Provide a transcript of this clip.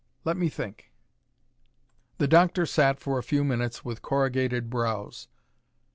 Let me think." The doctor sat for a few minutes with corrugated brows.